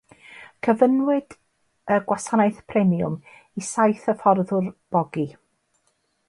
Cyfyngwyd y gwasanaeth premiwm i saith hyfforddwr bogi.